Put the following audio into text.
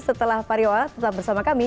setelah pariwa tetap bersama kami